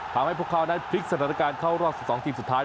ทำให้พวกเขานั้นพลิกสถานการณ์เข้ารอบสองทีสุดท้าย